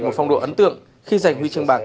một phong độ ấn tượng khi giành huy chương bạc